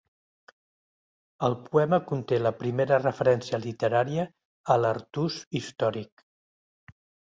El poema conté la primera referència literària a l'Artús històric.